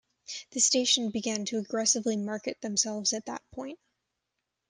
The station began to aggressively market themselves at that point.